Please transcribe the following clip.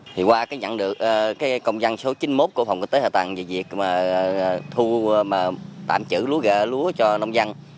thì qua cái nhận được công dân số chín mươi một của phòng kinh tế hà tạng về việc thu tạm trữ lúa gà lúa cho nông dân